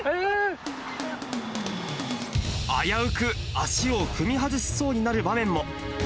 危うく足を踏み外しそうになる場面も。